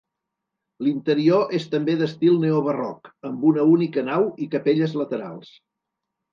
L'interior és també d'estil neobarroc amb una única nau i capelles laterals.